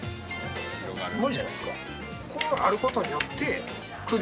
無理じゃないですか。